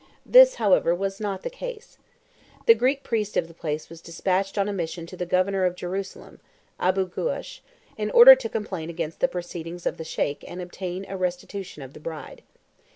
This, however, was not the case. The Greek priest of the place was despatched on a mission to the Governor of Jerusalem (Aboo Goosh), in order to complain against the proceedings of the Sheik and obtain a restitution of the bride.